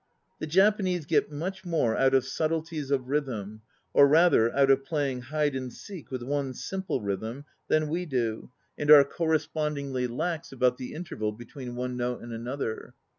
The Japanese get much more out of subtleties of rhythm (or, rather, out of playing hide and seek with one simple rhythm) than we do and are corre APPENDIX I 267 spondingly lax about the interval between one note and another.